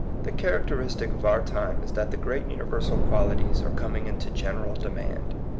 The characteristic of our time is that the great universal qualities are coming into general demand.